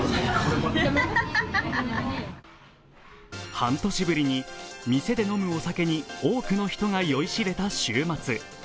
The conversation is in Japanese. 半年ぶりに店で飲むお酒に多くの人が酔いしれた週末。